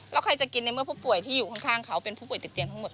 แล้วใครจะกินในเมื่อผู้ป่วยที่อยู่ข้างเขาเป็นผู้ป่วยติดเตียงทั้งหมด